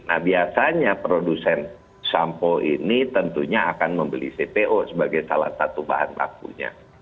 nah biasanya produsen sampo ini tentunya akan membeli cpo sebagai salah satu bahan bakunya